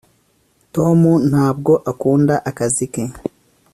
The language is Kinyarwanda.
tom ntabwo akunda akazi ke